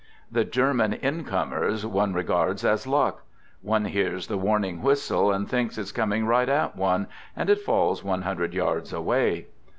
The German " incomers " one regards as luck. One hears the warning whistle and thinks , it's coming right at one, and it falls one hundred yards away.